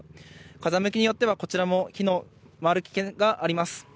風向きによっては、こちらも火の回る危険があります。